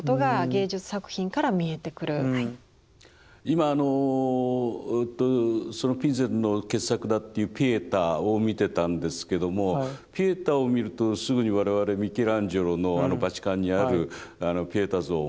今あのそのピンゼルの傑作だというピエタを見てたんですけどもピエタを見るとすぐに我々ミケランジェロのあのバチカンにあるピエタ像を思い出す。